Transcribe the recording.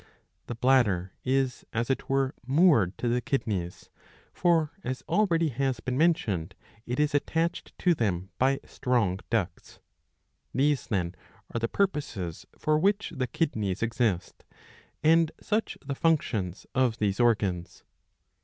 ^ The bladder is as it were moored^" to the kidneys ; for, as already has been mentioned, it is attached to them by strong ducts. These then are the purposes for which the kidneys exist, and such the functions of these organs.